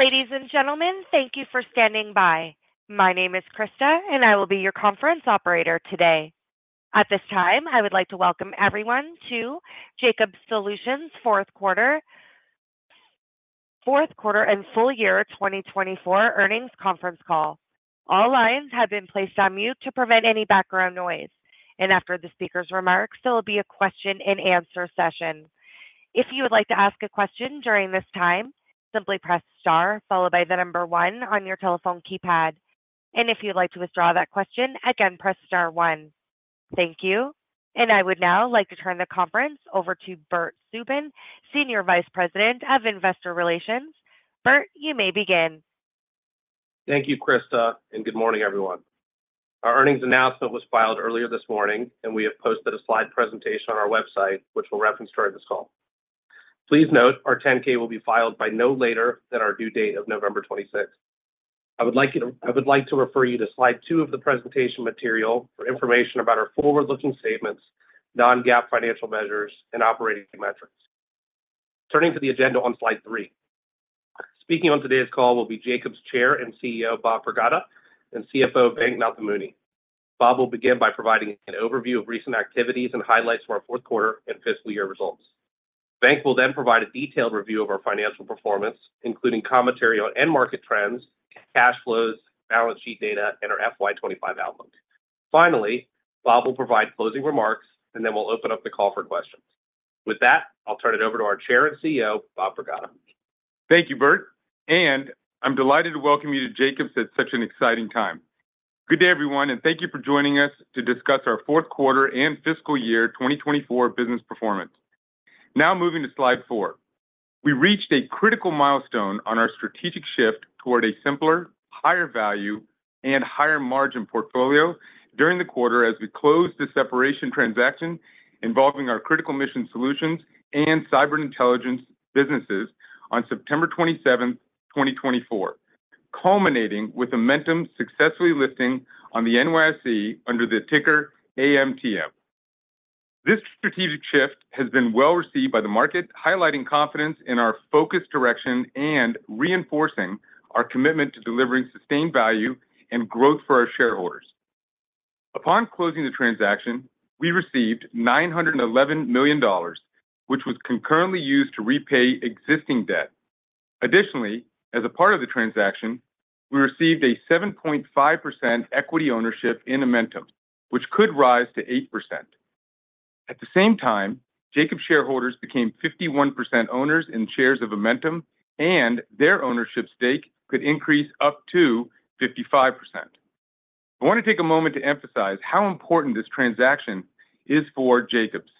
Ladies and gentlemen, thank you for standing by. My name is Krista, and I will be your conference operator today. At this time, I would like to welcome everyone to Jacobs Solutions' fourth quarter and full year 2024 earnings conference call. All lines have been placed on mute to prevent any background noise. And after the speaker's remarks, there will be a question-and-answer session. If you would like to ask a question during this time, simply press star followed by the number one on your telephone keypad. And if you'd like to withdraw that question, again, press star one. Thank you. And I would now like to turn the conference over to Bert Subin, Senior Vice President of Investor Relations. Bert, you may begin. Thank you, Krista, and good morning, everyone. Our earnings announcement was filed earlier this morning, and we have posted a slide presentation on our website, which will reference during this call. Please note our 10-K will be filed by no later than our due date of November 26th. I would like to refer you to slide two of the presentation material for information about our forward-looking statements, non-GAAP financial measures, and operating metrics. Turning to the agenda on slide three, speaking on today's call will be Jacobs Chair and CEO Bob Pragada and CFO Venk Nathamuni. Bob will begin by providing an overview of recent activities and highlights for our fourth quarter and fiscal year results. Venk Nathamuni will then provide a detailed review of our financial performance, including commentary on end market trends, cash flows, balance sheet data, and our FY25 outlook. Finally, Bob will provide closing remarks, and then we'll open up the call for questions. With that, I'll turn it over to our Chair and CEO, Bob Pragada. Thank you, Bert, and I'm delighted to welcome you to Jacobs at such an exciting time. Good day, everyone, and thank you for joining us to discuss our fourth quarter and fiscal year 2024 business performance. Now moving to slide four, we reached a critical milestone on our strategic shift toward a simpler, higher value, and higher margin portfolio during the quarter as we closed the separation transaction involving our Critical Mission Solutions and Cyber & Intelligence businesses on September 27th, 2024, culminating with Amentum successfully listing on the NYSE under the ticker AMTM. This strategic shift has been well received by the market, highlighting confidence in our focused direction and reinforcing our commitment to delivering sustained value and growth for our shareholders. Upon closing the transaction, we received $911 million, which was concurrently used to repay existing debt. Additionally, as a part of the transaction, we received a 7.5% equity ownership in Amentum, which could rise to 8%. At the same time, Jacobs shareholders became 51% owners of shares of Amentum, and their ownership stake could increase up to 55%. I want to take a moment to emphasize how important this transaction is for Jacobs.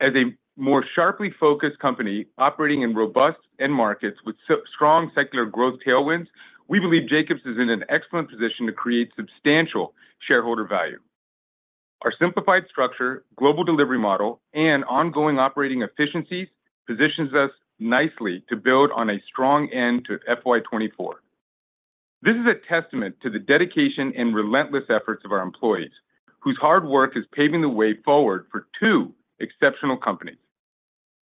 As a more sharply focused company operating in robust end markets with strong secular growth tailwinds, we believe Jacobs is in an excellent position to create substantial shareholder value. Our simplified structure, global delivery model, and ongoing operating efficiencies position us nicely to build on a strong end to FY24. This is a testament to the dedication and relentless efforts of our employees, whose hard work is paving the way forward for two exceptional companies.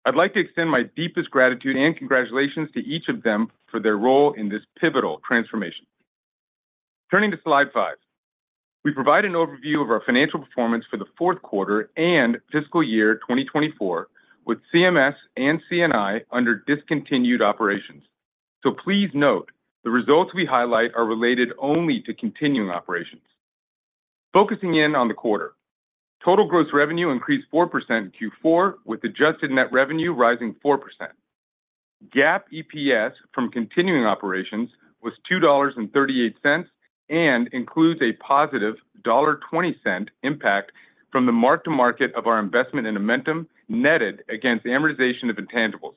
I'd like to extend my deepest gratitude and congratulations to each of them for their role in this pivotal transformation. Turning to slide five, we provide an overview of our financial performance for the fourth quarter and fiscal year 2024 with CMS and CNI under discontinued operations. So please note the results we highlight are related only to continuing operations. Focusing in on the quarter, total gross revenue increased 4% in Q4, with adjusted net revenue rising 4%. GAAP EPS from continuing operations was $2.38 and includes a positive $1.20 impact from the mark-to-market of our investment in Amentum netted against amortization of intangibles,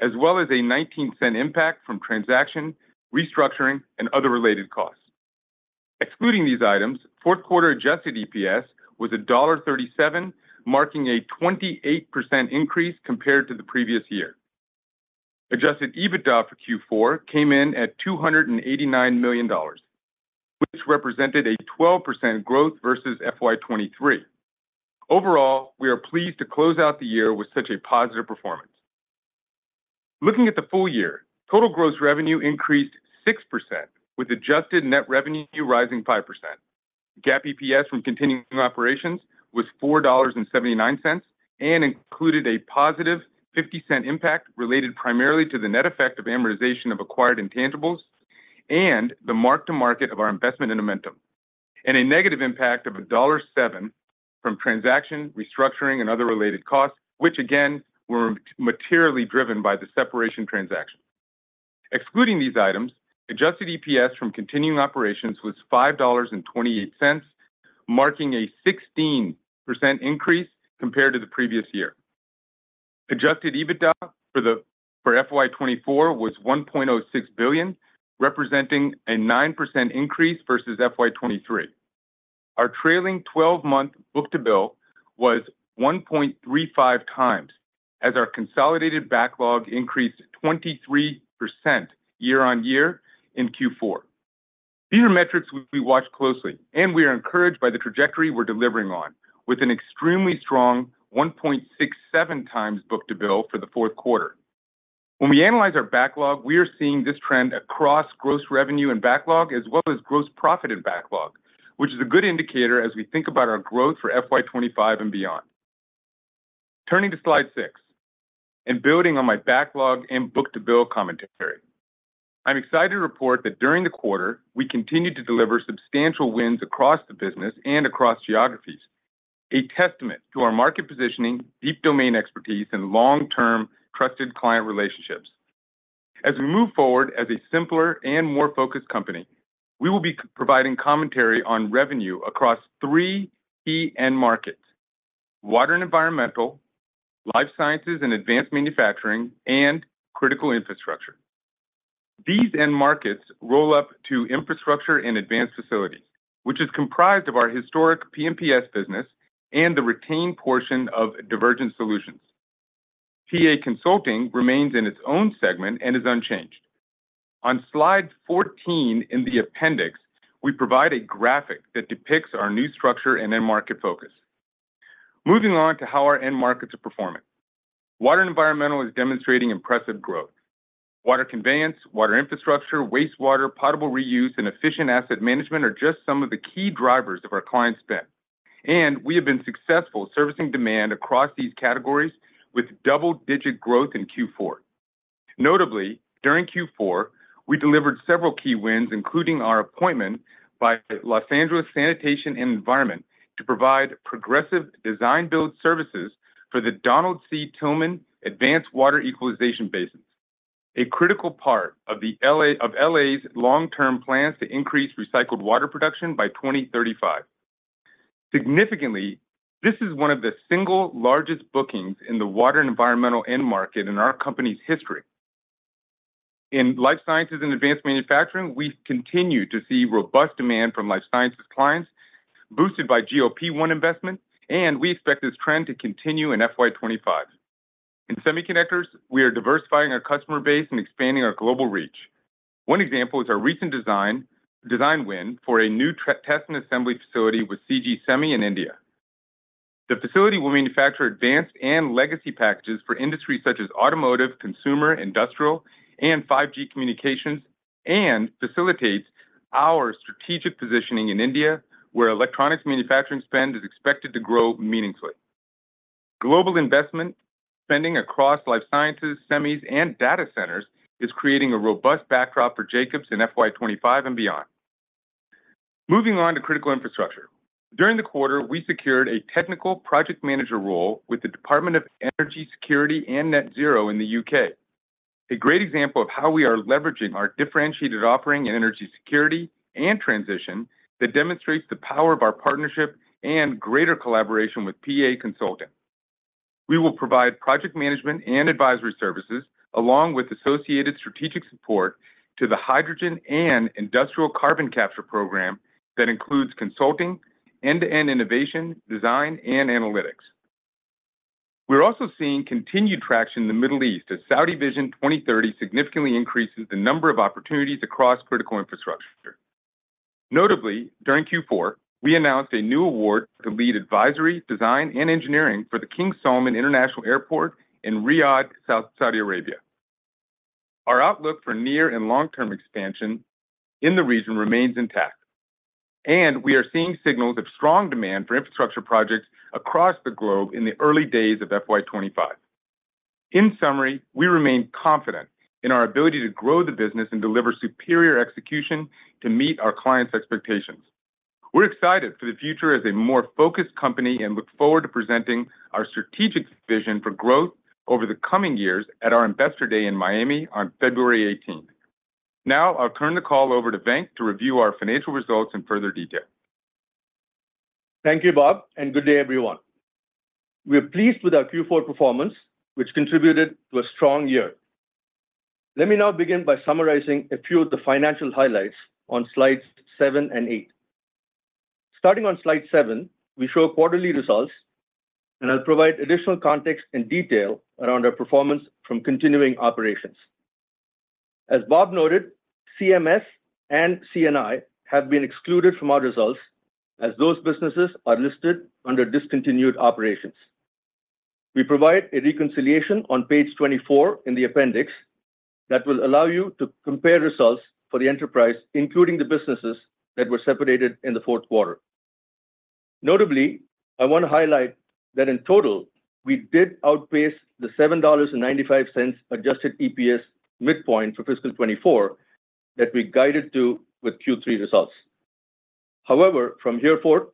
as well as a $0.19 impact from transaction, restructuring, and other related costs. Excluding these items, fourth quarter adjusted EPS was $1.37, marking a 28% increase compared to the previous year. Adjusted EBITDA for Q4 came in at $289 million, which represented a 12% growth versus FY23. Overall, we are pleased to close out the year with such a positive performance. Looking at the full year, total gross revenue increased 6%, with adjusted net revenue rising 5%. GAAP EPS from continuing operations was $4.79 and included a positive $0.50 impact related primarily to the net effect of amortization of acquired intangibles and the mark-to-market of our investment in Amentum, and a negative impact of $1.07 from transaction, restructuring, and other related costs, which again were materially driven by the separation transaction. Excluding these items, adjusted EPS from continuing operations was $5.28, marking a 16% increase compared to the previous year. Adjusted EBITDA for FY24 was $1.06 billion, representing a 9% increase versus FY23. Our trailing 12-month book-to-bill was 1.35 times, as our consolidated backlog increased 23% year-on-year in Q4. These are metrics we watch closely, and we are encouraged by the trajectory we're delivering on, with an extremely strong 1.67 times book-to-bill for the fourth quarter. When we analyze our backlog, we are seeing this trend across gross revenue and backlog, as well as gross profit and backlog, which is a good indicator as we think about our growth for FY25 and beyond. Turning to slide six and building on my backlog and book-to-bill commentary, I'm excited to report that during the quarter, we continued to deliver substantial wins across the business and across geographies, a testament to our market positioning, deep domain expertise, and long-term trusted client relationships. As we move forward as a simpler and more focused company, we will be providing commentary on revenue across three key end markets: water and environmental, life sciences and advanced manufacturing, and critical infrastructure. These end markets roll up to Infrastructure and Advanced Facilities, which is comprised of our historic P&PS business and the retained portion of Divergent Solutions. PA Consulting remains in its own segment and is unchanged. On slide 14 in the appendix, we provide a graphic that depicts our new structure and end market focus. Moving on to how our end markets are performing, water and environmental is demonstrating impressive growth. Water conveyance, water infrastructure, wastewater, potable reuse, and efficient asset management are just some of the key drivers of our client spend. And we have been successful servicing demand across these categories with double-digit growth in Q4. Notably, during Q4, we delivered several key wins, including our appointment by Los Angeles Sanitation and Environment to provide progressive design-build services for the Donald C. Tillman Advanced Water Equalization Basins, a critical part of LA's long-term plans to increase recycled water production by 2035. Significantly, this is one of the single largest bookings in the water and environmental end market in our company's history. In life sciences and advanced manufacturing, we continue to see robust demand from life sciences clients, boosted by GLP-1 investment, and we expect this trend to continue in FY25. In semiconductors, we are diversifying our customer base and expanding our global reach. One example is our recent design win for a new test and assembly facility with CG Semi in India. The facility will manufacture advanced and legacy packages for industries such as automotive, consumer, industrial, and 5G communications, and facilitates our strategic positioning in India, where electronics manufacturing spend is expected to grow meaningfully. Global investment spending across life sciences, semis, and data centers is creating a robust backdrop for Jacobs in FY25 and beyond. Moving on to critical infrastructure. During the quarter, we secured a technical project manager role with the Department of Energy Security and Net Zero in the U.K., a great example of how we are leveraging our differentiated offering in energy security and transition that demonstrates the power of our partnership and greater collaboration with PA Consulting. We will provide project management and advisory services, along with associated strategic support to the hydrogen and industrial carbon capture program that includes consulting, end-to-end innovation, design, and analytics. We're also seeing continued traction in the Middle East as Saudi Vision 2030 significantly increases the number of opportunities across critical infrastructure. Notably, during Q4, we announced a new award to lead advisory, design, and engineering for the King Salman International Airport in Riyadh, Saudi Arabia. Our outlook for near and long-term expansion in the region remains intact, and we are seeing signals of strong demand for infrastructure projects across the globe in the early days of FY25. In summary, we remain confident in our ability to grow the business and deliver superior execution to meet our clients' expectations. We're excited for the future as a more focused company and look forward to presenting our strategic vision for growth over the coming years at our investor day in Miami on February 18th. Now I'll turn the call over to Venk to review our financial results in further detail. Thank you, Bob, and good day, everyone. We are pleased with our Q4 performance, which contributed to a strong year. Let me now begin by summarizing a few of the financial highlights on slides seven and eight. Starting on slide seven, we show quarterly results, and I'll provide additional context and detail around our performance from continuing operations. As Bob noted, CMS and CNI have been excluded from our results as those businesses are listed under discontinued operations. We provide a reconciliation on page 24 in the appendix that will allow you to compare results for the enterprise, including the businesses that were separated in the fourth quarter. Notably, I want to highlight that in total, we did outpace the $7.95 adjusted EPS midpoint for fiscal 2024 that we guided to with Q3 results. However, from here forth,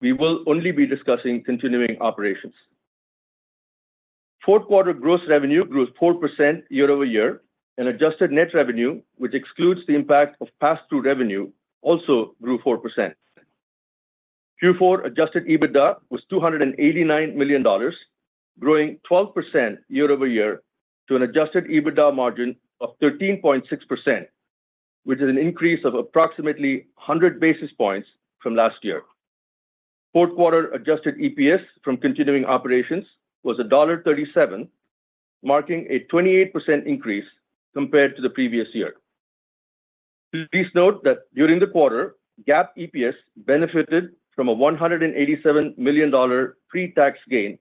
we will only be discussing continuing operations. Fourth quarter gross revenue grew 4% year-over-year, and adjusted net revenue, which excludes the impact of pass-through revenue, also grew 4%. Q4 adjusted EBITDA was $289 million, growing 12% year-over-year to an adjusted EBITDA margin of 13.6%, which is an increase of approximately 100 basis points from last year. Fourth quarter adjusted EPS from continuing operations was $1.37, marking a 28% increase compared to the previous year. Please note that during the quarter, GAAP EPS benefited from a $187 million pre-tax gain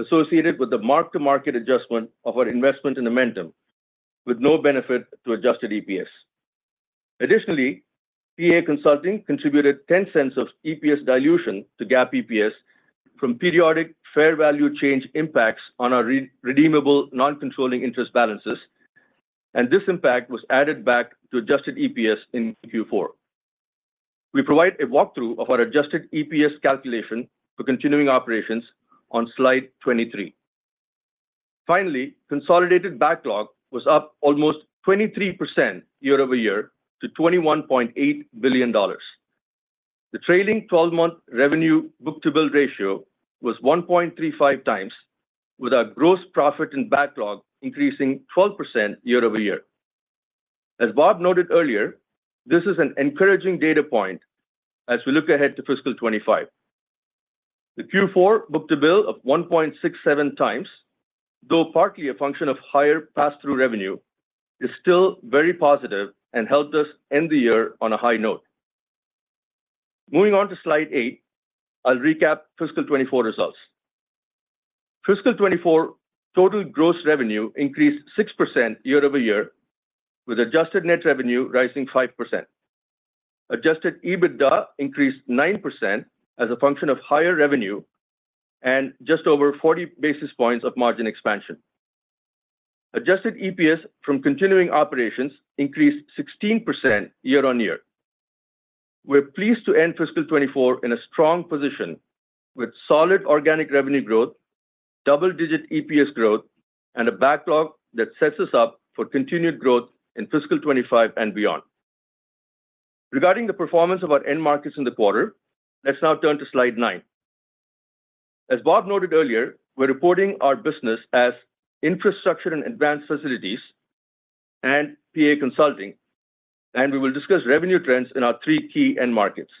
associated with the mark-to-market adjustment of our investment in Amentum, with no benefit to adjusted EPS. Additionally, PA Consulting contributed $0.10 of EPS dilution to GAAP EPS from periodic fair value change impacts on our redeemable non-controlling interest balances, and this impact was added back to adjusted EPS in Q4. We provide a walkthrough of our adjusted EPS calculation for continuing operations on slide 23. Finally, consolidated backlog was up almost 23% year-over-year to $21.8 billion. The trailing 12-month revenue book-to-bill ratio was 1.35 times, with our gross profit and backlog increasing 12% year-over-year. As Bob noted earlier, this is an encouraging data point as we look ahead to fiscal 25. The Q4 book-to-bill of 1.67 times, though partly a function of higher pass-through revenue, is still very positive and helped us end the year on a high note. Moving on to slide eight, I'll recap fiscal 24 results. Fiscal 24 total gross revenue increased 6% year-over-year, with adjusted net revenue rising 5%. Adjusted EBITDA increased 9% as a function of higher revenue and just over 40 basis points of margin expansion. Adjusted EPS from continuing operations increased 16% year-over-year. We're pleased to end fiscal 24 in a strong position with solid organic revenue growth, double-digit EPS growth, and a backlog that sets us up for continued growth in fiscal 25 and beyond. Regarding the performance of our end markets in the quarter, let's now turn to slide nine. As Bob noted earlier, we're reporting our business as Infrastructure and Advanced Facilities and PA Consulting, and we will discuss revenue trends in our three key end markets.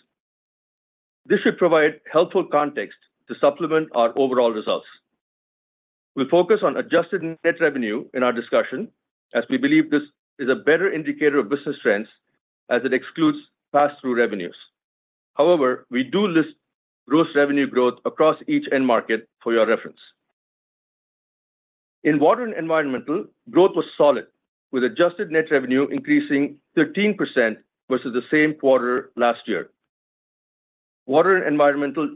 This should provide helpful context to supplement our overall results. We'll focus on adjusted net revenue in our discussion as we believe this is a better indicator of business trends as it excludes pass-through revenues. However, we do list gross revenue growth across each end market for your reference. In water and environmental, growth was solid, with adjusted net revenue increasing 13% versus the same quarter last year. Water and environmental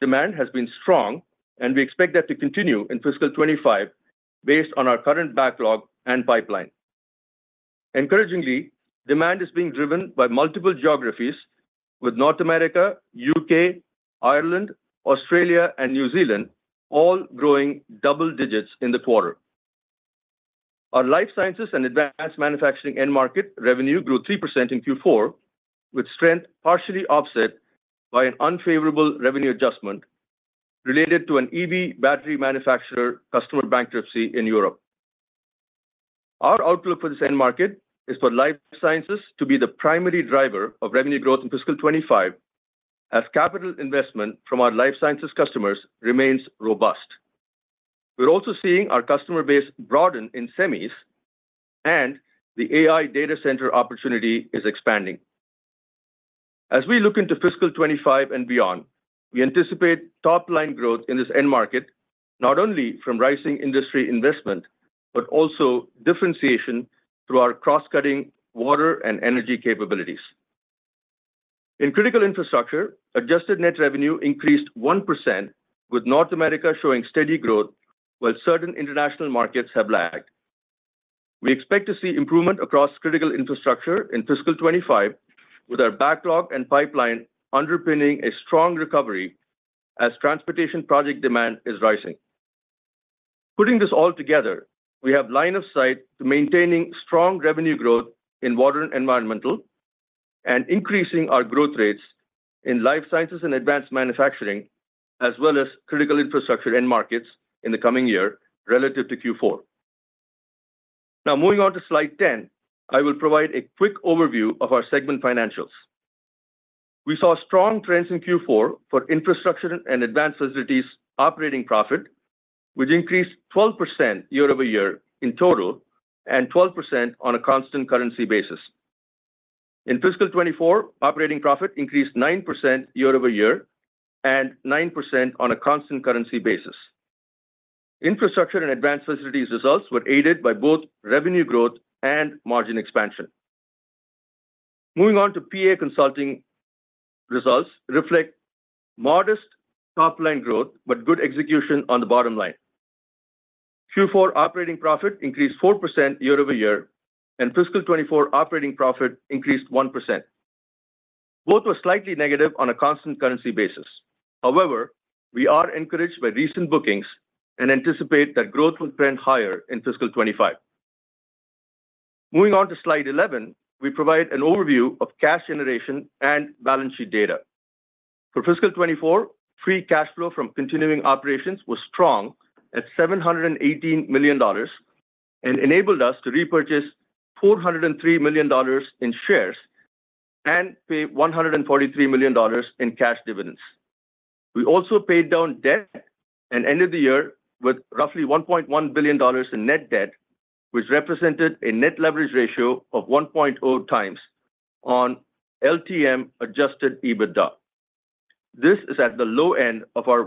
demand has been strong, and we expect that to continue in fiscal 2025 based on our current backlog and pipeline. Encouragingly, demand is being driven by multiple geographies, with North America, U.K., Ireland, Australia, and New Zealand all growing double digits in the quarter. Our life sciences and advanced manufacturing end market revenue grew 3% in Q4, with strength partially offset by an unfavorable revenue adjustment related to an EV battery manufacturer customer bankruptcy in Europe. Our outlook for this end market is for life sciences to be the primary driver of revenue growth in fiscal 2025, as capital investment from our life sciences customers remains robust. We're also seeing our customer base broaden in semis, and the AI data center opportunity is expanding. As we look into fiscal 25 and beyond, we anticipate top-line growth in this end market, not only from rising industry investment, but also differentiation through our cross-cutting water and energy capabilities. In critical infrastructure, adjusted net revenue increased 1%, with North America showing steady growth, while certain international markets have lagged. We expect to see improvement across critical infrastructure in fiscal 25, with our backlog and pipeline underpinning a strong recovery as transportation project demand is rising. Putting this all together, we have line of sight to maintaining strong revenue growth in water and environmental and increasing our growth rates in life sciences and advanced manufacturing, as well as critical infrastructure end markets in the coming year relative to Q4. Now, moving on to slide 10, I will provide a quick overview of our segment financials. We saw strong trends in Q4 for Infrastructure and Advanced Facilities operating profit, which increased 12% year-over-year in total and 12% on a constant currency basis. In fiscal 2024, operating profit increased 9% year-over-year and 9% on a constant currency basis. Infrastructure and Advanced Facilities results were aided by both revenue growth and margin expansion. Moving on to PA Consulting. Results reflect modest top-line growth, but good execution on the bottom line. Q4 operating profit increased 4% year-over-year, and fiscal 2024 operating profit increased 1%. Both were slightly negative on a constant currency basis. However, we are encouraged by recent bookings and anticipate that growth will trend higher in fiscal 2025. Moving on to Slide 11, we provide an overview of cash generation and balance sheet data. For fiscal 2024, free cash flow from continuing operations was strong at $718 million and enabled us to repurchase $403 million in shares and pay $143 million in cash dividends. We also paid down debt and ended the year with roughly $1.1 billion in net debt, which represented a net leverage ratio of 1.0 times on LTM adjusted EBITDA. This is at the low end of our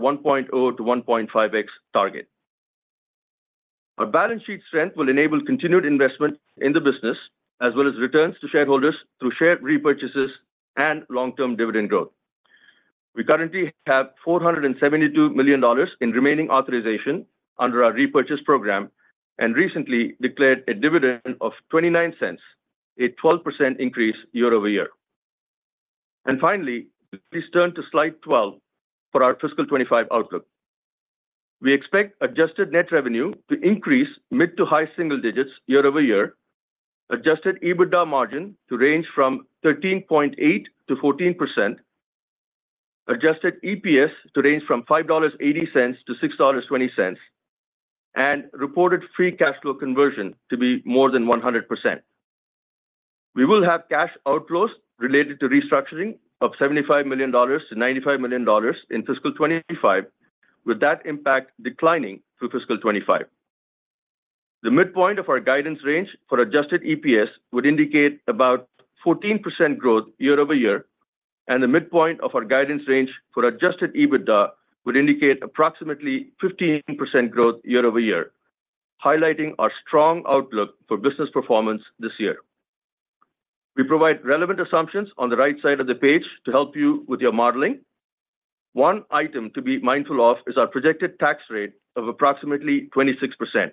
1.0-1.5x target. Our balance sheet strength will enable continued investment in the business, as well as returns to shareholders through share repurchases and long-term dividend growth. We currently have $472 million in remaining authorization under our repurchase program and recently declared a dividend of $0.29, a 12% increase year-over-year. And finally, please turn to slide 12 for our fiscal 2025 outlook. We expect adjusted net revenue to increase mid to high single digits year-over-year, adjusted EBITDA margin to range from 13.8%-14%, adjusted EPS to range from $5.80-$6.20, and reported free cash flow conversion to be more than 100%. We will have cash outflows related to restructuring of $75-$95 million in fiscal 2025, with that impact declining through fiscal 2025. The midpoint of our guidance range for adjusted EPS would indicate about 14% growth year-over-year, and the midpoint of our guidance range for adjusted EBITDA would indicate approximately 15% growth year-over-year, highlighting our strong outlook for business performance this year. We provide relevant assumptions on the right side of the page to help you with your modeling. One item to be mindful of is our projected tax rate of approximately 26%.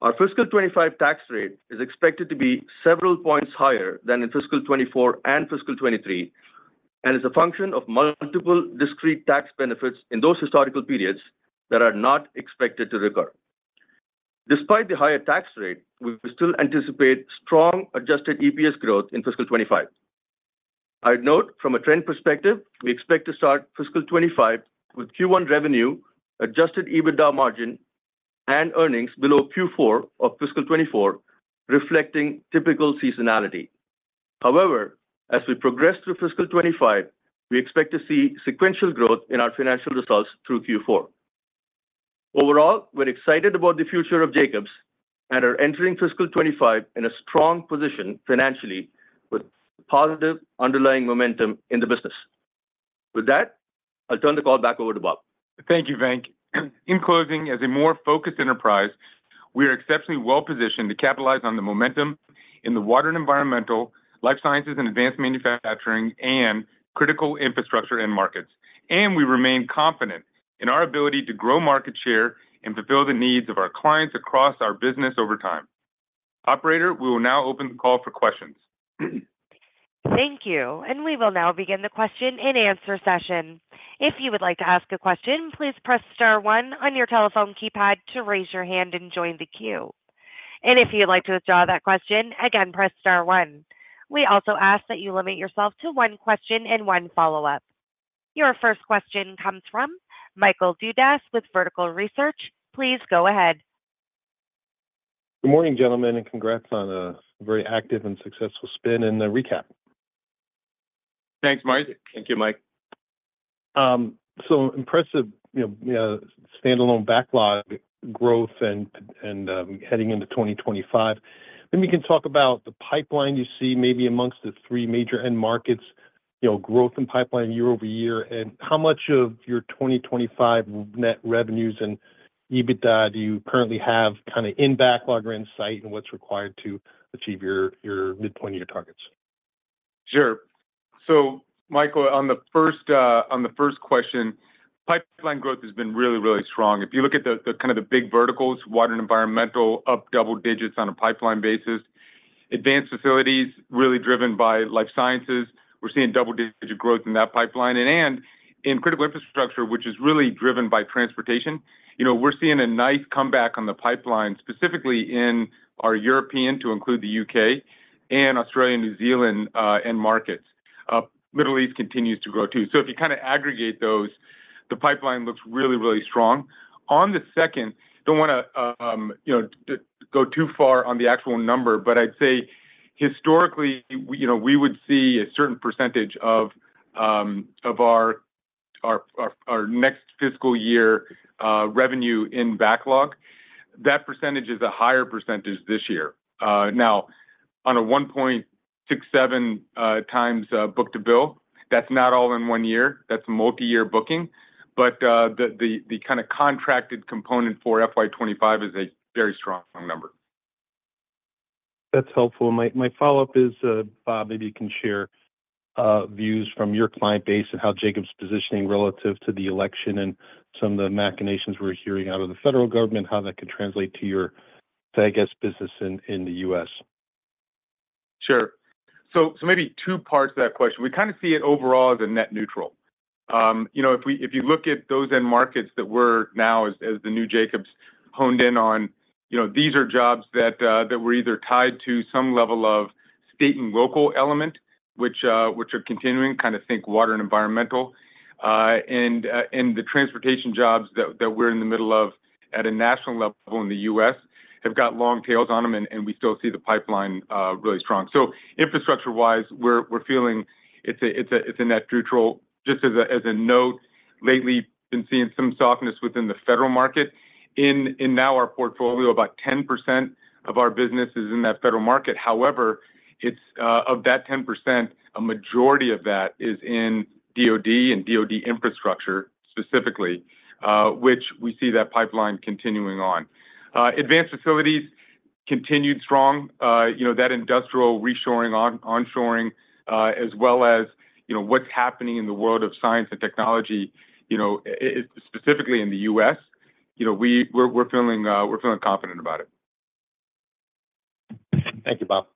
Our fiscal 25 tax rate is expected to be several points higher than in fiscal 24 and fiscal 23, and is a function of multiple discrete tax benefits in those historical periods that are not expected to recur. Despite the higher tax rate, we still anticipate strong adjusted EPS growth in fiscal 25. I'd note from a trend perspective, we expect to start fiscal 25 with Q1 revenue, adjusted EBITDA margin, and earnings below Q4 of fiscal 24, reflecting typical seasonality. However, as we progress through fiscal 25, we expect to see sequential growth in our financial results through Q4. Overall, we're excited about the future of Jacobs and are entering fiscal 25 in a strong position financially with positive underlying momentum in the business. With that, I'll turn the call back over to Bob. Thank you, Venk. In closing, as a more focused enterprise, we are exceptionally well positioned to capitalize on the momentum in the water and environmental, life sciences and advanced manufacturing, and critical infrastructure end markets, and we remain confident in our ability to grow market share and fulfill the needs of our clients across our business over time. Operator, we will now open the call for questions. Thank you. And we will now begin the question and answer session. If you would like to ask a question, please press star one on your telephone keypad to raise your hand and join the queue. And if you'd like to withdraw that question, again, press star one. We also ask that you limit yourself to one question and one follow-up. Your first question comes from Michael Dudas with Vertical Research. Please go ahead. Good morning, gentlemen, and congrats on a very active and successful spin and a recap. Thanks, Mike. Thank you, Mike. So, impressive standalone backlog growth and heading into 2025. Maybe you can talk about the pipeline you see, maybe amongst the three major end markets, growth and pipeline year-over-year, and how much of your 2025 net revenues and EBITDA do you currently have kind of in backlog or in sight, and what's required to achieve your midpoint of your targets? Sure. So, Michael, on the first question, pipeline growth has been really, really strong. If you look at the kind of the big verticals, water and environmental up double digits on a pipeline basis, advanced facilities really driven by life sciences, we're seeing double-digit growth in that pipeline. And in critical infrastructure, which is really driven by transportation, we're seeing a nice comeback on the pipeline, specifically in our European, to include the U.K. and Australia, New Zealand end markets. Middle East continues to grow too. So if you kind of aggregate those, the pipeline looks really, really strong. On the second, don't want to go too far on the actual number, but I'd say historically, we would see a certain percentage of our next fiscal year revenue in backlog. That percentage is a higher percentage this year. Now, on a 1.67 times book-to-bill, that's not all in one year. That's multi-year booking. But the kind of contracted component for FY25 is a very strong number. That's helpful. My follow-up is, Bob, maybe you can share views from your client base and how Jacobs is positioning relative to the election and some of the machinations we're hearing out of the federal government, how that could translate to your, I guess, business in the U.S.? Sure. So maybe two parts of that question. We kind of see it overall as a net neutral. If you look at those end markets that we're now, as the new Jacobs honed in on, these are jobs that were either tied to some level of state and local element, which are continuing, kind of think water and environmental. And the transportation jobs that we're in the middle of at a national level in the U.S. have got long tails on them, and we still see the pipeline really strong. So infrastructure-wise, we're feeling it's a net neutral. Just as a note, lately been seeing some softness within the federal market. In now our portfolio, about 10% of our business is in that federal market. However, of that 10%, a majority of that is in DOD and DOD infrastructure specifically, which we see that pipeline continuing on. Advanced Facilities continued strong. That industrial reshoring, onshoring, as well as what's happening in the world of science and technology, specifically in the U.S., we're feeling confident about it. Thank you, Bob.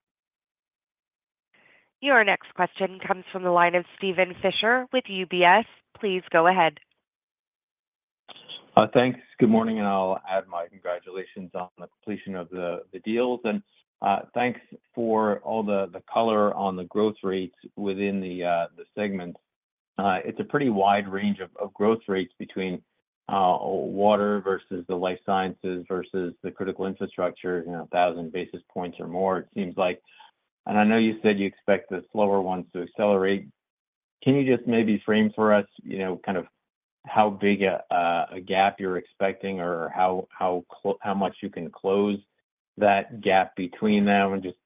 Your next question comes from the line of Steven Fisher with UBS. Please go ahead. Thanks. Good morning, and I'll add my congratulations on the completion of the deals, and thanks for all the color on the growth rates within the segment. It's a pretty wide range of growth rates between water versus the life sciences versus the critical infrastructure, 1,000 basis points or more, it seems like, and I know you said you expect the slower ones to accelerate. Can you just maybe frame for us kind of how big a gap you're expecting or how much you can close that gap between them? Just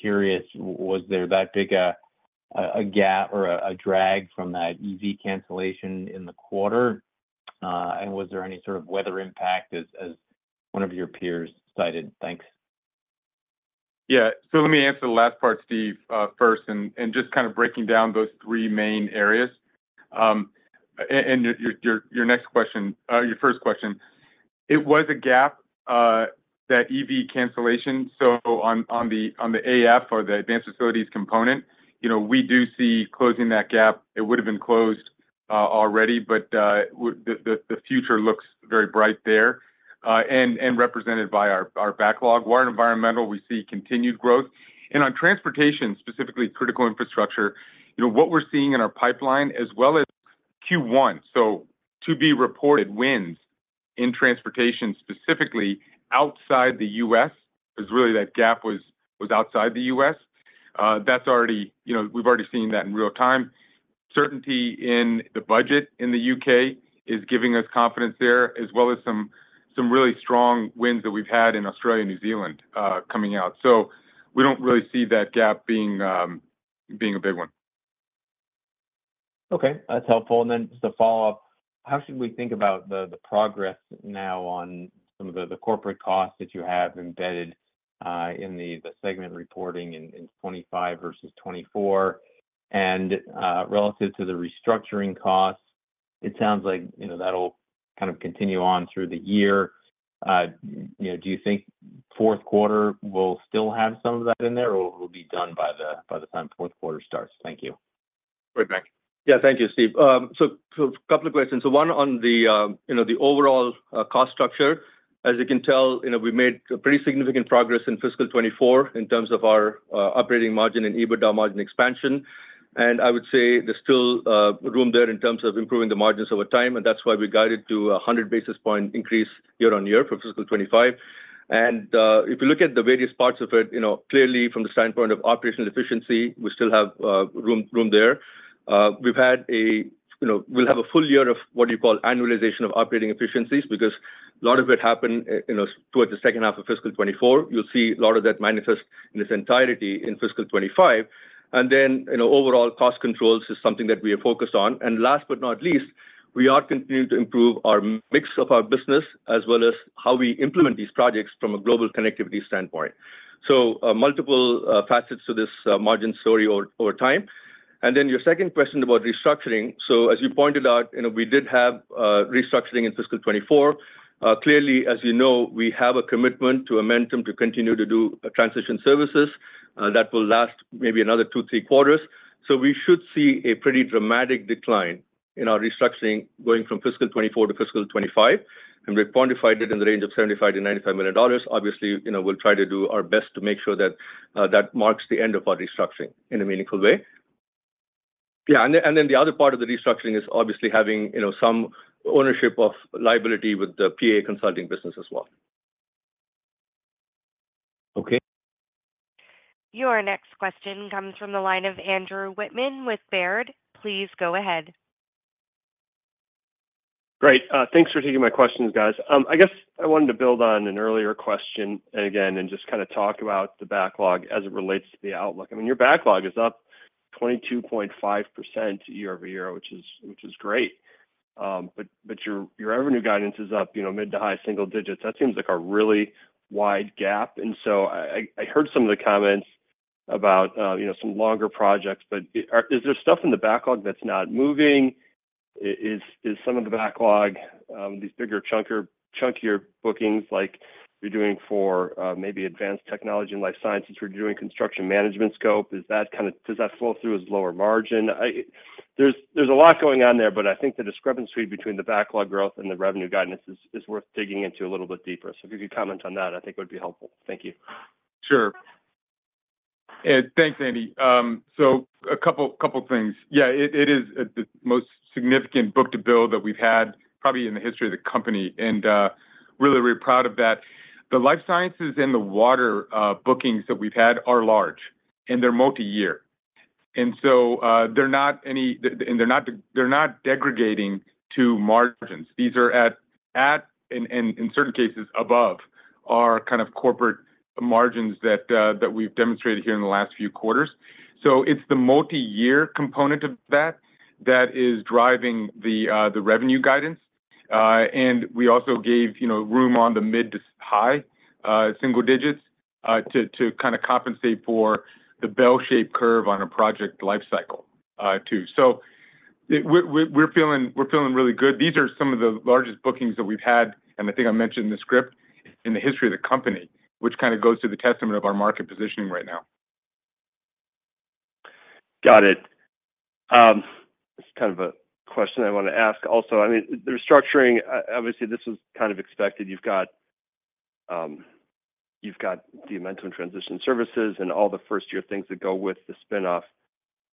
curious, was there that big a gap or a drag from that EV cancellation in the quarter, and was there any sort of weather impact, as one of your peers cited? Thanks. Yeah. So let me answer the last part, Steve, first, and just kind of breaking down those three main areas. And your next question, your first question, it was a gap, that EV cancellation. So on the AF or the advanced facilities component, we do see closing that gap. It would have been closed already, but the future looks very bright there and represented by our backlog. Water and environmental, we see continued growth. And on transportation, specifically critical infrastructure, what we're seeing in our pipeline as well as Q1, so to be reported wins in transportation specifically outside the U.S., because really that gap was outside the U.S., that's already we've already seen that in real time. Certainty in the budget in the U.K. is giving us confidence there, as well as some really strong wins that we've had in Australia and New Zealand coming out. So we don't really see that gap being a big one. Okay. That's helpful. And then just a follow-up, how should we think about the progress now on some of the corporate costs that you have embedded in the segment reporting in 2025 versus 2024? And relative to the restructuring costs, it sounds like that'll kind of continue on through the year. Do you think fourth quarter will still have some of that in there, or will it be done by the time fourth quarter starts? Thank you. Right, Mike. Yeah, thank you, Steve. So a couple of questions. So one on the overall cost structure. As you can tell, we made pretty significant progress in fiscal 2024 in terms of our operating margin and EBITDA margin expansion. And I would say there's still room there in terms of improving the margins over time, and that's why we guided to a 100 basis point increase year-on-year for fiscal 2025. And if you look at the various parts of it, clearly from the standpoint of operational efficiency, we still have room there. We'll have a full year of what you call annualization of operating efficiencies because a lot of it happened towards the second half of fiscal 2024. You'll see a lot of that manifest in its entirety in fiscal 2025. And then overall cost controls is something that we are focused on. And last but not least, we are continuing to improve our mix of our business as well as how we implement these projects from a global connectivity standpoint. So multiple facets to this margin story over time. And then your second question about restructuring, so as you pointed out, we did have restructuring in fiscal 2024. Clearly, as you know, we have a commitment to Amentum to continue to do transition services that will last maybe another two, three quarters. So we should see a pretty dramatic decline in our restructuring going from fiscal 2024 to fiscal 2025. And we've quantified it in the range of $75-$95 million. Obviously, we'll try to do our best to make sure that that marks the end of our restructuring in a meaningful way. Yeah. The other part of the restructuring is obviously having some ownership of liability with the PA Consulting business as well. Okay. Your next question comes from the line of Andrew Whitman with Baird. Please go ahead. Great. Thanks for taking my questions, guys. I guess I wanted to build on an earlier question again and just kind of talk about the backlog as it relates to the outlook. I mean, your backlog is up 22.5% year-over-year, which is great. But your revenue guidance is up mid- to high-single digits. That seems like a really wide gap, and so I heard some of the comments about some longer projects, but is there stuff in the backlog that's not moving? Is some of the backlog, these bigger, chunkier bookings like you're doing for maybe advanced technology and life sciences, we're doing construction management SOP, does that flow through as lower margin? There's a lot going on there, but I think the discrepancy between the backlog growth and the revenue guidance is worth digging into a little bit deeper. So if you could comment on that, I think it would be helpful. Thank you. Sure. Thanks, Andy. So a couple of things. Yeah, it is the most significant book-to-bill that we've had probably in the history of the company. And really, we're proud of that. The life sciences and the water bookings that we've had are large, and they're multi-year. And so they're not any and they're not degrading to margins. These are at, and in certain cases, above our kind of corporate margins that we've demonstrated here in the last few quarters. So it's the multi-year component of that that is driving the revenue guidance. And we also gave room on the mid to high single digits to kind of compensate for the bell-shaped curve on a project lifecycle too. So we're feeling really good. These are some of the largest bookings that we've had, and I think I mentioned in the script, in the history of the company, which kind of goes to the testament of our market positioning right now. Got it. This is kind of a question I want to ask also. I mean, the restructuring, obviously, this was kind of expected. You've got the Amentum and transition services and all the first-year things that go with the spinoff.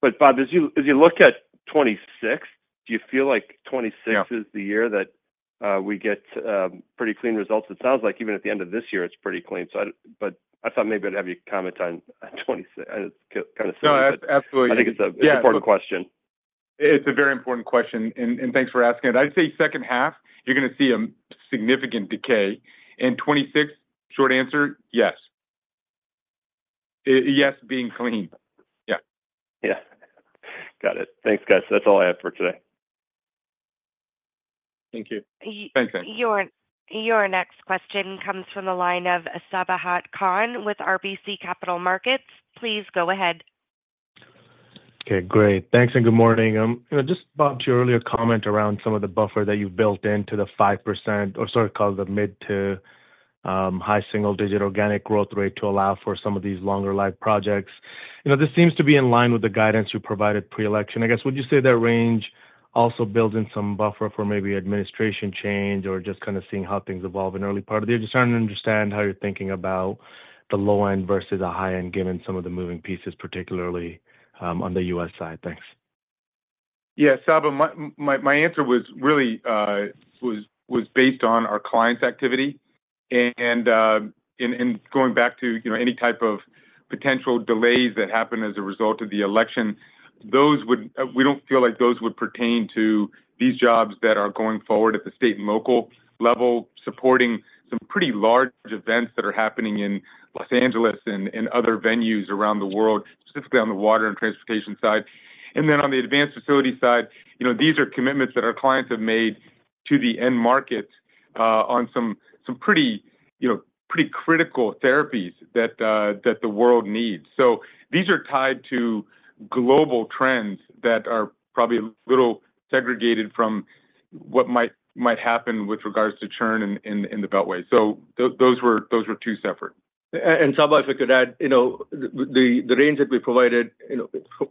But, Bob, as you look at 2026, do you feel like 2026 is the year that we get pretty clean results? It sounds like even at the end of this year, it's pretty clean. But I thought maybe I'd have you comment on 2026. No, absolutely. Yeah. I think it's an important question. It's a very important question. And thanks for asking it. I'd say second half, you're going to see a significant decay, and 2026, short answer, yes. Yes, being clean. Yeah. Yeah. Got it. Thanks, guys. That's all I have for today. Thank you. Thanks, Andy. Your next question comes from the line of Sabahat Khan with RBC Capital Markets. Please go ahead. Okay. Great. Thanks and good morning. Just Bob, to your earlier comment around some of the buffer that you've built into the 5%, or sort of called the mid to high single-digit organic growth rate to allow for some of these longer life projects. This seems to be in line with the guidance you provided pre-election. I guess, would you say that range also builds in some buffer for maybe administration change or just kind of seeing how things evolve in the early part of the year? Just trying to understand how you're thinking about the low end versus the high end, given some of the moving pieces, particularly on the U.S. side. Thanks. Yeah. Saba, my answer was really based on our client's activity and going back to any type of potential delays that happen as a result of the election, we don't feel like those would pertain to these jobs that are going forward at the state and local level, supporting some pretty large events that are happening in Los Angeles and other venues around the world, specifically on the water and transportation side and then on the advanced facility side, these are commitments that our clients have made to the end market on some pretty critical therapies that the world needs, so these are tied to global trends that are probably a little segregated from what might happen with regards to churn in the Beltway, so those were two separate. Saba, if I could add, the range that we provided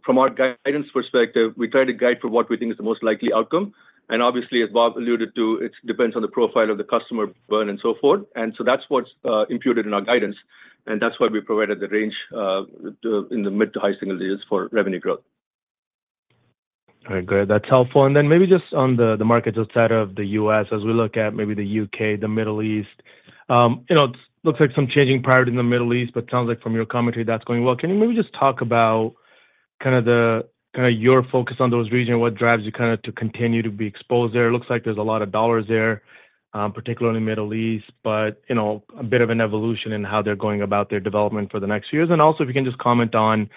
from our guidance perspective, we try to guide for what we think is the most likely outcome. Obviously, as Bob alluded to, it depends on the profile of the customer burn and so forth. So that's what's imputed in our guidance. That's why we provided the range in the mid- to high-single digits for revenue growth. All right. Great. That's helpful, and then maybe just on the markets outside of the U.S., as we look at maybe the U.K., the Middle East, it looks like some changing priority in the Middle East, but it sounds like from your commentary, that's going well. Can you maybe just talk about kind of your focus on those regions, what drives you kind of to continue to be exposed there? It looks like there's a lot of dollars there, particularly in the Middle East, but a bit of an evolution in how they're going about their development for the next few years, and also, if you can just comment on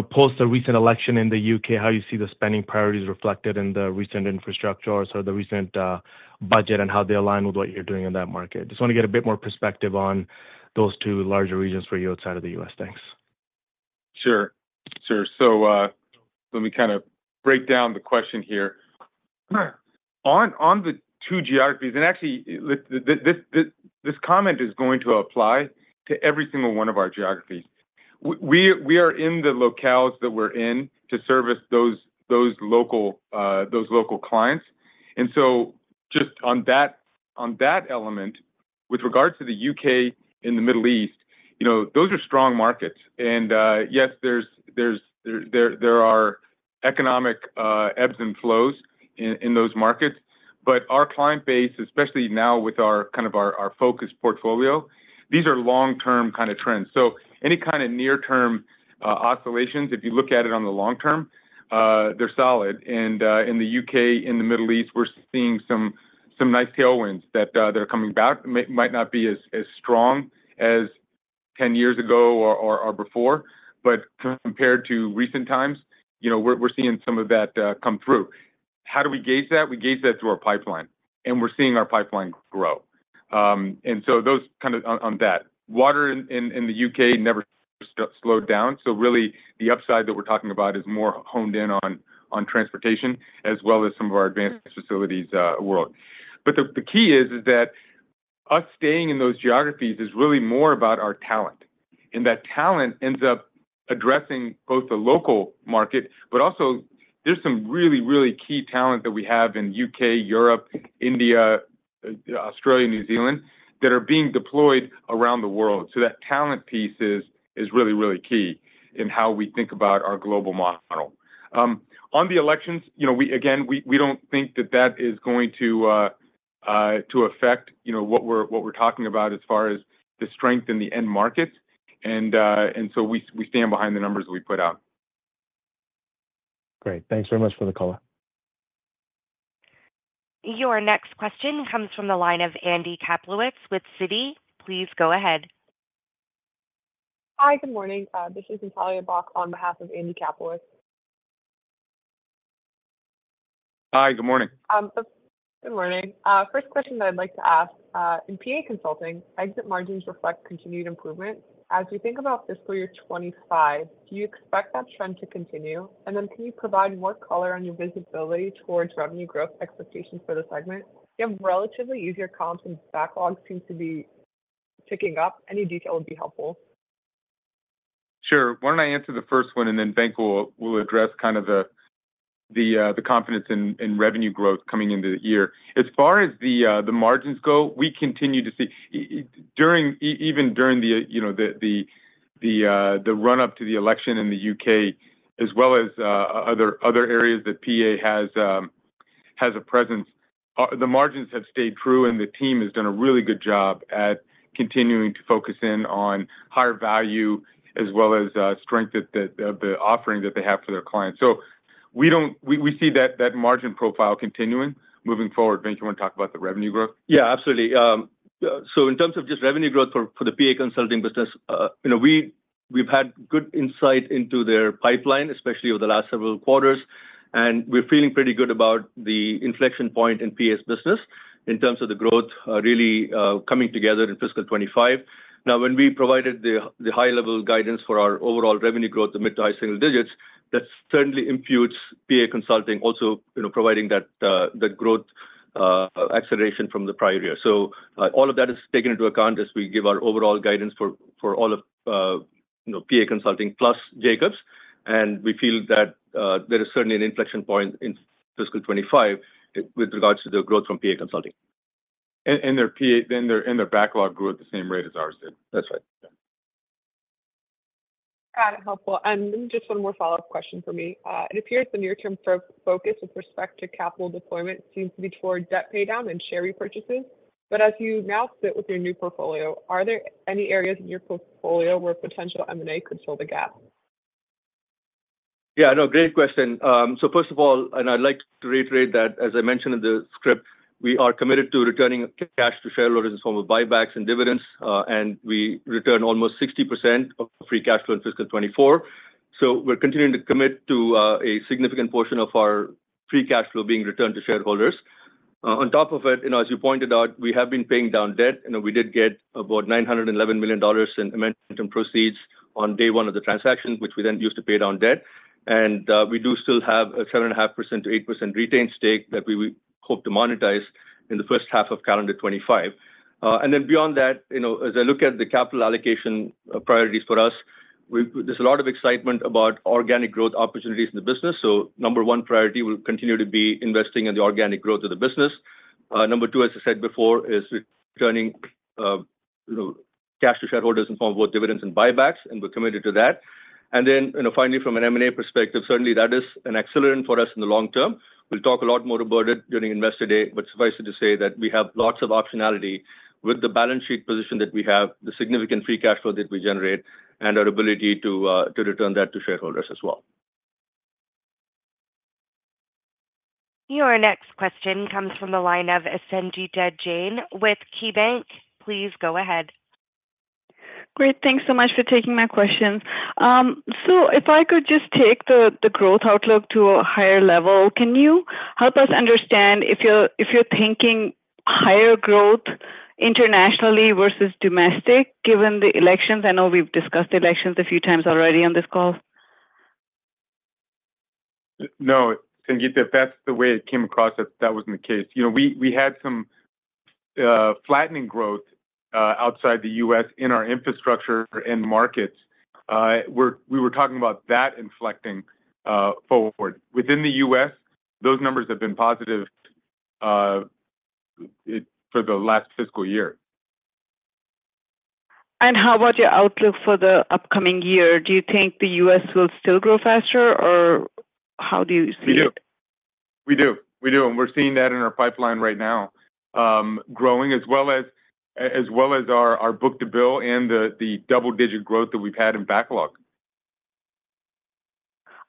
post the recent election in the U.K., how you see the spending priorities reflected in the recent infrastructure or sort of the recent budget and how they align with what you're doing in that market. Just want to get a bit more perspective on those two larger regions for you outside of the U.S. Thanks. Sure, sure. So let me kind of break down the question here. On the two geographies, and actually, this comment is going to apply to every single one of our geographies. We are in the locales that we're in to service those local clients. And so just on that element, with regards to the UK in the Middle East, those are strong markets. And yes, there are economic ebbs and flows in those markets. But our client base, especially now with kind of our focus portfolio, these are long-term kind of trends. So any kind of near-term oscillations, if you look at it on the long term, they're solid. And in the UK, in the Middle East, we're seeing some nice tailwinds that are coming back. It might not be as strong as 10 years ago or before, but compared to recent times, we're seeing some of that come through. How do we gauge that? We gauge that through our pipeline. And we're seeing our pipeline grow. And so those kind of on that. Water in the U.K. never slowed down. So really, the upside that we're talking about is more honed in on transportation as well as some of our advanced facilities world. But the key is that us staying in those geographies is really more about our talent. And that talent ends up addressing both the local market, but also there's some really, really key talent that we have in the U.K., Europe, India, Australia, New Zealand that are being deployed around the world. So that talent piece is really, really key in how we think about our global model. On the elections, again, we don't think that that is going to affect what we're talking about as far as the strength in the end market. We stand behind the numbers we put out. Great. Thanks very much for the call. Your next question comes from the line of Andy Kaplowitz with Citi. Please go ahead. Hi, good morning. This is Natalia Bock on behalf of Andy Kaplowitz. Hi, good morning. Good morning. First question that I'd like to ask, in PA Consulting, exit margins reflect continued improvement. As we think about fiscal year 2025, do you expect that trend to continue? And then can you provide more color on your visibility towards revenue growth expectations for the segment? You have relatively easier comps, and backlog seems to be ticking up. Any detail would be helpful. Sure. Why don't I answer the first one, and then Venk will address kind of the confidence in revenue growth coming into the year. As far as the margins go, we continue to see even during the run-up to the election in the U.K., as well as other areas that PA has a presence, the margins have stayed true, and the team has done a really good job at continuing to focus in on higher value as well as strength of the offering that they have for their clients. So we see that margin profile continuing. Moving forward, Venk, you want to talk about the revenue growth? Yeah, absolutely. So in terms of just revenue growth for the PA Consulting business, we've had good insight into their pipeline, especially over the last several quarters, and we're feeling pretty good about the inflection point in PA Consulting's business in terms of the growth really coming together in fiscal 2025. Now, when we provided the high-level guidance for our overall revenue growth, the mid to high single digits, that certainly imputes PA Consulting also providing that growth acceleration from the prior year, so all of that is taken into account as we give our overall guidance for all of PA Consulting plus Jacobs, and we feel that there is certainly an inflection point in fiscal 2025 with regards to the growth from PA Consulting. Their backlog grew at the same rate as ours did. That's right. Got it. Helpful. And just one more follow-up question for me. It appears the near-term focus with respect to capital deployment seems to be toward debt paydown and share repurchases. But as you now sit with your new portfolio, are there any areas in your portfolio where potential M&A could fill the gap? Yeah. No, great question. So first of all, and I'd like to reiterate that, as I mentioned in the script, we are committed to returning cash to shareholders in the form of buybacks and dividends. And we return almost 60% of free cash flow in fiscal 2024. So we're continuing to commit to a significant portion of our free cash flow being returned to shareholders. On top of it, as you pointed out, we have been paying down debt. We did get about $911 million in Amentum proceeds on day one of the transaction, which we then used to pay down debt. And we do still have a 7.5%-8% retained stake that we hope to monetize in the first half of calendar 2025. And then beyond that, as I look at the capital allocation priorities for us, there's a lot of excitement about organic growth opportunities in the business. So number one priority will continue to be investing in the organic growth of the business. Number two, as I said before, is returning cash to shareholders in the form of both dividends and buybacks. And we're committed to that. And then finally, from an M&A perspective, certainly that is an excellent for us in the long term. We'll talk a lot more about it during Investor Day, but suffice it to say that we have lots of optionality with the balance sheet position that we have, the significant Free Cash Flow that we generate, and our ability to return that to shareholders as well. Your next question comes from the line of Sangita Jain. With KeyBank, please go ahead. Great. Thanks so much for taking my questions. So if I could just take the growth outlook to a higher level, can you help us understand if you're thinking higher growth internationally versus domestic, given the elections? I know we've discussed elections a few times already on this call. No, Sangita, if that's the way it came across, that wasn't the case. We had some flattening growth outside the U.S. in our infrastructure and markets. We were talking about that inflecting forward. Within the U.S., those numbers have been positive for the last fiscal year. And how about your outlook for the upcoming year? Do you think the U.S. will still grow faster, or how do you see it? We do. We do. We do. And we're seeing that in our pipeline right now, growing as well as our book-to-bill and the double-digit growth that we've had in backlog.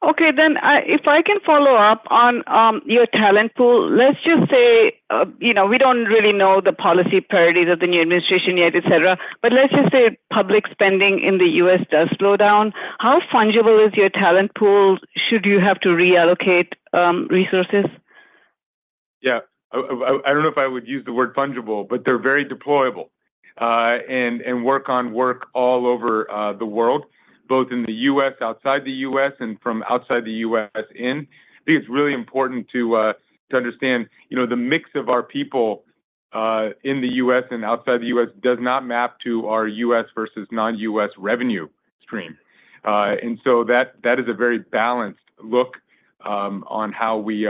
Okay. Then if I can follow up on your talent pool, let's just say we don't really know the policy priorities of the new administration yet, etc., but let's just say public spending in the U.S. does slow down. How fungible is your talent pool should you have to reallocate resources? Yeah. I don't know if I would use the word fungible, but they're very deployable and work on work all over the world, both in the U.S., outside the U.S., and from outside the U.S. in. I think it's really important to understand the mix of our people in the U.S. and outside the U.S. does not map to our U.S. versus non-U.S. revenue stream. And so that is a very balanced look on how we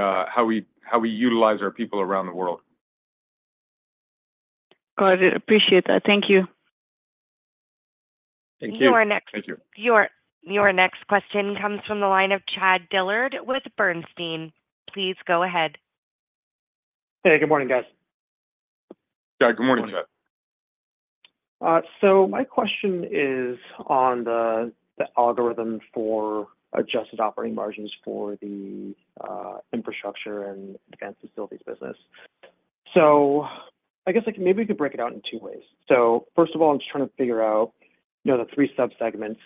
utilize our people around the world. Got it. Appreciate that. Thank you. Thank you. Your next question comes from the line of Chad Dillard with Bernstein. Please go ahead. Hey, good morning, guys. Chad, good morning. So, my question is on the algorithm for adjusted operating margins for the Infrastructure and Advanced Facilities business. So, I guess maybe we could break it out in two ways. So, first of all, I'm just trying to figure out the three subsegments.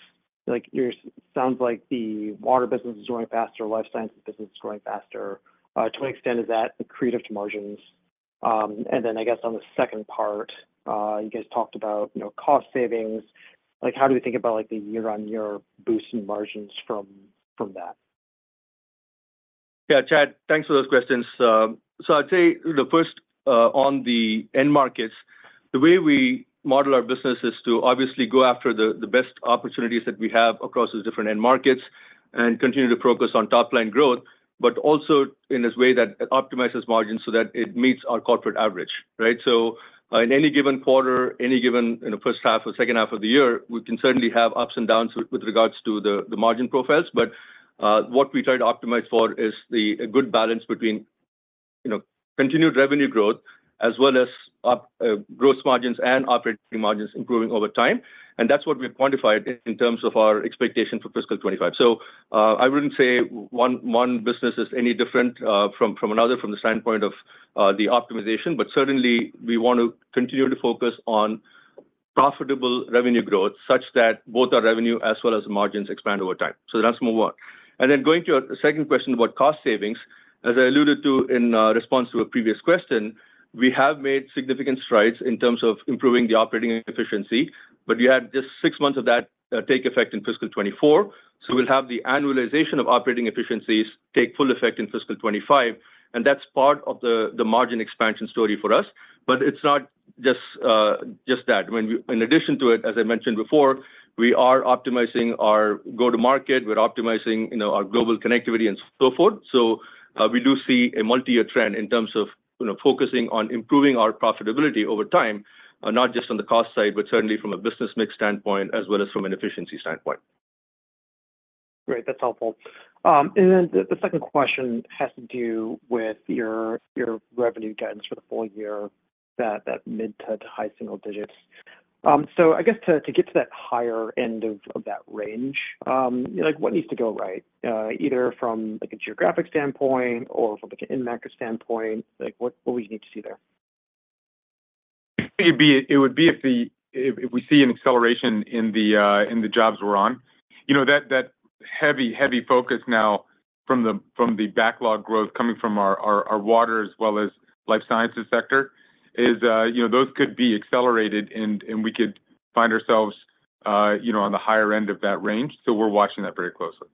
It sounds like the water business is growing faster, life sciences business is growing faster. To what extent is that the driver to margins? And then, I guess, on the second part, you guys talked about cost savings. How do we think about the year-over-year boost in margins from that? Yeah, Chad, thanks for those questions. So I'd say the first on the end markets, the way we model our business is to obviously go after the best opportunities that we have across the different end markets and continue to focus on top-line growth, but also in a way that optimizes margins so that it meets our corporate average, right? So in any given quarter, any given first half or second half of the year, we can certainly have ups and downs with regards to the margin profiles. But what we try to optimize for is the good balance between continued revenue growth as well as gross margins and operating margins improving over time. And that's what we quantified in terms of our expectation for fiscal 2025. So I wouldn't say one business is any different from another from the standpoint of the optimization, but certainly we want to continue to focus on profitable revenue growth such that both our revenue as well as margins expand over time. So that's number one. And then going to a second question about cost savings, as I alluded to in response to a previous question, we have made significant strides in terms of improving the operating efficiency, but we had just six months of that take effect in fiscal 2024. So we'll have the annualization of operating efficiencies take full effect in fiscal 2025. And that's part of the margin expansion story for us. But it's not just that. In addition to it, as I mentioned before, we are optimizing our go-to-market. We're optimizing our global connectivity and so forth. So we do see a multi-year trend in terms of focusing on improving our profitability over time, not just on the cost side, but certainly from a business mix standpoint as well as from an efficiency standpoint. Great. That's helpful. And then the second question has to do with your revenue guidance for the full year, that mid- to high-single-digits. So I guess to get to that higher end of that range, what needs to go right, either from a geographic standpoint or from an in-market standpoint? What would you need to see there? It would be if we see an acceleration in the jobs we're on. That heavy focus now from the backlog growth coming from our water as well as life sciences sector, those could be accelerated, and we could find ourselves on the higher end of that range. So we're watching that very closely.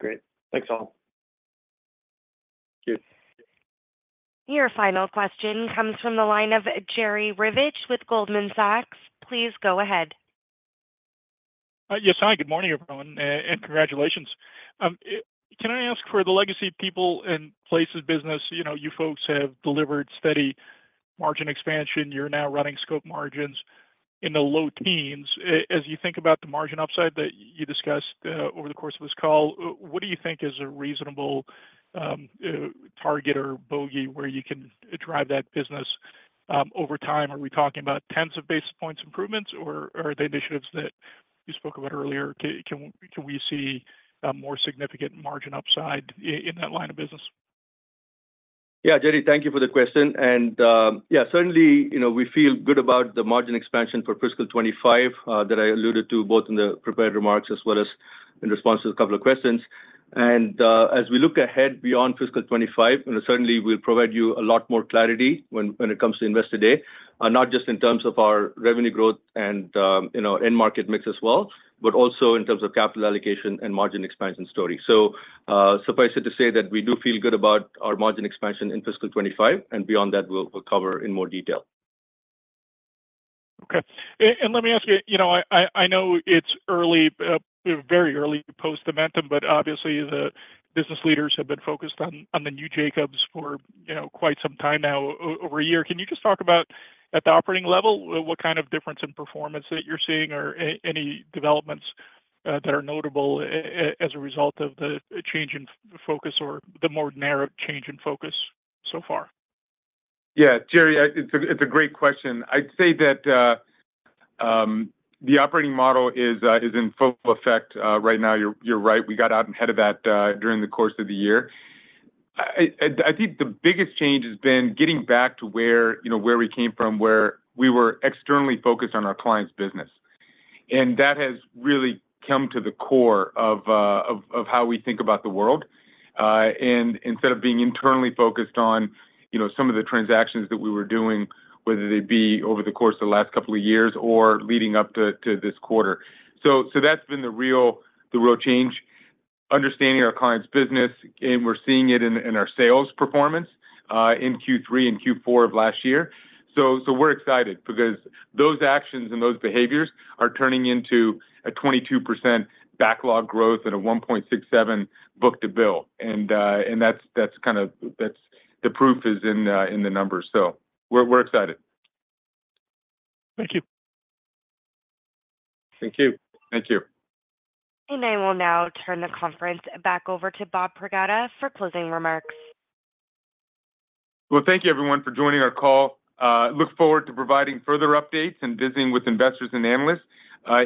Great. Thanks, all. Cheers. Your final question comes from the line of Jerry Revich with Goldman Sachs. Please go ahead. Yes, hi. Good morning, everyone. And congratulations. Can I ask for the legacy People and Places business? You folks have delivered steady margin expansion. You're now running scope margins in the low teens. As you think about the margin upside that you discussed over the course of this call, what do you think is a reasonable target or bogey where you can drive that business over time? Are we talking about tens of basis points improvements, or are the initiatives that you spoke about earlier? Can we see more significant margin upside in that line of business? Yeah, Jerry, thank you for the question. And yeah, certainly we feel good about the margin expansion for fiscal 2025 that I alluded to both in the prepared remarks as well as in response to a couple of questions. And as we look ahead beyond fiscal 2025, certainly we'll provide you a lot more clarity when it comes to investor day, not just in terms of our revenue growth and end market mix as well, but also in terms of capital allocation and margin expansion story. So suffice it to say that we do feel good about our margin expansion in fiscal 2025. And beyond that, we'll cover in more detail. Okay, and let me ask you, I know it's very early post-Amentum, but obviously the business leaders have been focused on the new Jacobs for quite some time now, over a year. Can you just talk about at the operating level, what kind of difference in performance that you're seeing or any developments that are notable as a result of the change in focus or the more narrow change in focus so far? Yeah, Jerry, it's a great question. I'd say that the operating model is in full effect right now. You're right. We got out ahead of that during the course of the year. I think the biggest change has been getting back to where we came from, where we were externally focused on our client's business. And that has really come to the core of how we think about the world. And instead of being internally focused on some of the transactions that we were doing, whether they be over the course of the last couple of years or leading up to this quarter. So that's been the real change, understanding our client's business. And we're seeing it in our sales performance in Q3 and Q4 of last year. So we're excited because those actions and those behaviors are turning into a 22% backlog growth and a 1.67 book-to-bill. And that's kind of the proof is in the numbers. So we're excited. Thank you. Thank you. Thank you. I will now turn the conference back over to Bob Pragada for closing remarks. Thank you, everyone, for joining our call. Look forward to providing further updates and visiting with investors and analysts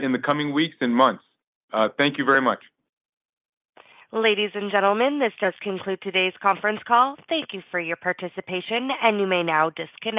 in the coming weeks and months. Thank you very much. Ladies and gentlemen, this does conclude today's conference call. Thank you for your participation, and you may now disconnect.